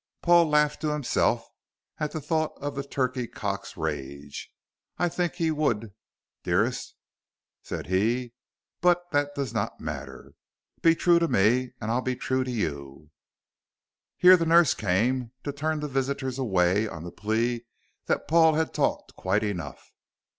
Paul laughed to himself at the thought of the turkey cock's rage. "I think he would, dearest," said he, "but that does not matter. Be true to me and I'll be true to you." Here the nurse came to turn the visitors away on the plea that Paul had talked quite enough.